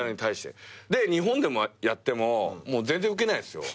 で日本でやってももう全然ウケないっすよ。